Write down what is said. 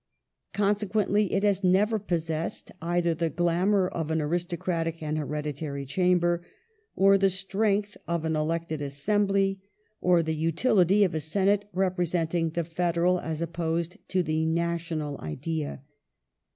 Consequently, it has never possessed either the glamour of an aristocratic and hereditary chamber, or the strength of an elected assembly, or the utility of a Senate representing the federal as opposed to the national idea.